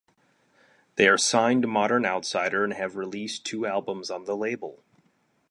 They are signed to Modern Outsider and have released two albums on the label.